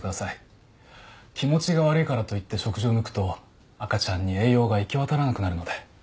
気持ちが悪いからといって食事を抜くと赤ちゃんに栄養が行き渡らなくなるので。